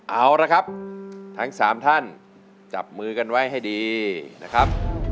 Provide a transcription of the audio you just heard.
เอาละครับทั้ง๓ท่านจับมือกันไว้ให้ดีนะครับ